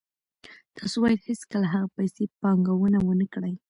تاسو باید هیڅکله هغه پیسې پانګونه ونه کړئ